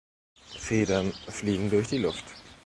Federn fliegen durch die Luft.